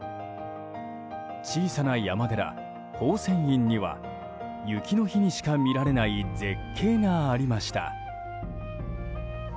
小さな山寺、宝泉院には雪の日にしか見られない絶景がありました。